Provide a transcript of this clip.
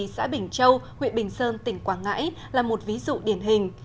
xã bình châu huyện bình sơn tỉnh quảng ngãi là một ví dụ điển hình